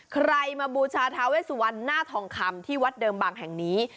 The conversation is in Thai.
ใครมาบูชาทาเวสวันหน้าทองคำที่วัดเดิมบางแห่งนี้